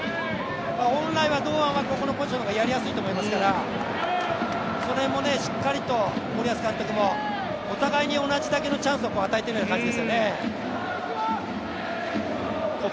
本来は堂安はここのポジションの方がやりやすいと思いますから、その辺もしっかりと森保監督もお互いに同じだけのチャンスを与えているような感じですよね。